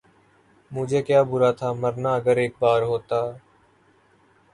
مجھے کیا برا تھا مرنا اگر ایک بار ہوتا